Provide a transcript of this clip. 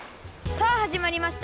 さあはじまりました！